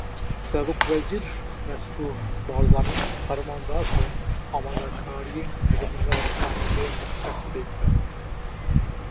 Serokwezîr Mesrûr Barzanî ferman da ku amadekariyên hilbijartinan bên destpêkirin